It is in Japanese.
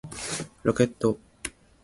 ロケット